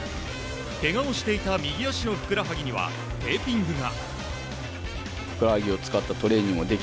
けがをしていた右足のふくらはぎにはテーピングが。